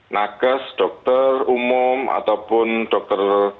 nakes dokter umum ataupun dokter